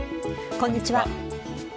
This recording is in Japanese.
こんにちは。